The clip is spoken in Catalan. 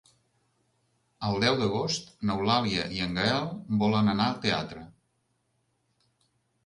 El deu d'agost n'Eulàlia i en Gaël volen anar al teatre.